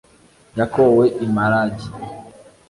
yakowe i maragi